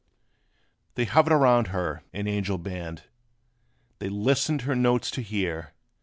They hovered around her, an angel band: They listened her notes to hear.